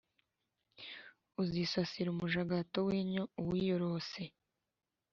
uzisasira umujagato w’inyo, uwiyorose.